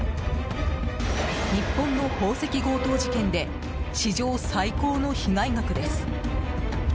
日本の宝石強盗事件で史上最高の被害額です。